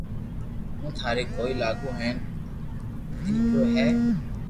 ھون ٿاري ڪوئي لاگو ھين ڌاڪر ھي